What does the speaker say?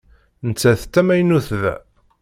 Nettat d tamaynut da.